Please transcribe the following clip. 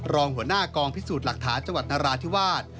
รองหัวหน้ากองพิสูจน์หลักฐานจังหวัดนราธิวาส